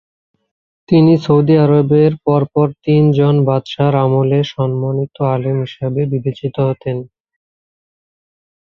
তিনি সৌদি আরবের পর পর তিন জন বাদশাহর আমলে সম্মানিত আলেম হিসেবে বিবেচিত হতেন।